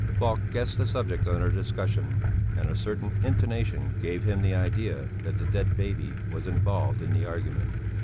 Falk guessed the subject under discussion, and a certain intonation gave him the idea that the dead baby was involved in the argument.